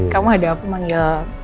kamu ada apa manggil